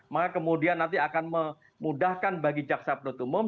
maka kemudian nanti akan memudahkan bagi jaksa penutup umum